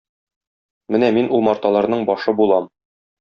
Менә мин умарталарның башы булам.